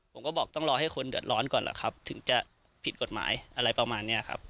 ผมก็บอกต้องรอให้คนเดือดร้อนก่อนล่ะครับถึงจะผิดกฎหมายอะไรประมาณนี้ครับ